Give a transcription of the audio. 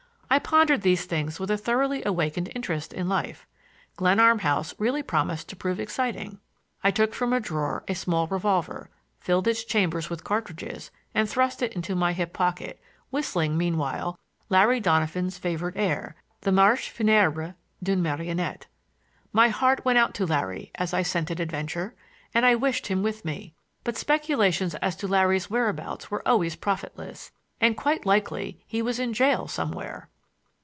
I pondered these things with a thoroughly awakened interest in life. Glenarm House really promised to prove exciting. I took from a drawer a small revolver, filled its chambers with cartridges and thrust it into my hip pocket, whistling meanwhile Larry Donovan's favorite air, the Marche Funèbre d'une Marionnette. My heart went out to Larry as I scented adventure, and I wished him with me; but speculations as to Larry's whereabouts were always profitless, and quite likely he was in jail somewhere.